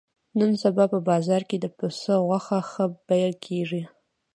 نن سبا په بازار کې د پسه غوښه ښه بیه کېږي.